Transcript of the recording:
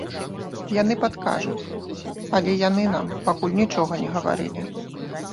Яны падкажуць, але яны нам пакуль нічога не гаварылі.